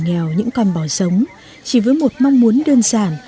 nghèo những con bò sống chỉ với một mong muốn đơn giản